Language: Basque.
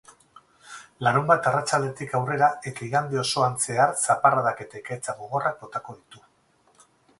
Larunbat arratsaldetik aurrera eta igande osoan zehar zaparradak eta ekaitza gogorrak botako ditu.